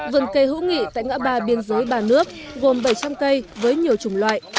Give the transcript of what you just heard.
vườn cây hữu nghị tại ngã ba biên giới ba nước gồm bảy trăm linh cây với nhiều chủng loại